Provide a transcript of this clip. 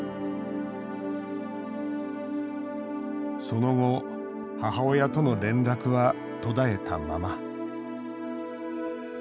その後母親との連絡は途絶えたまま。